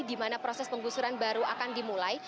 di mana proses penggusuran baru akan dimulai